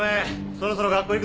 そろそろ学校行くぞ。